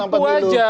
atau perpu aja